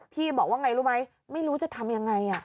บอกว่าไงรู้ไหมไม่รู้จะทำยังไง